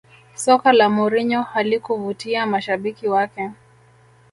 Soka la Mourinho halikuvutia mashabiki wake